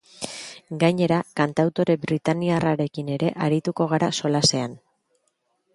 Gainera, kantautore britainiarrarekin ere arituko gara solasean.